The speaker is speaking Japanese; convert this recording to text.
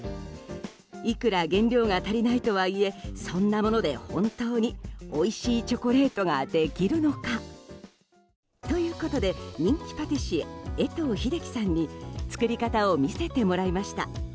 いくら原料が足りないとはいえそんなもので本当においしいチョコレートができるのか。ということで、人気パティシエ江藤英樹さんに作り方を見せてもらいました。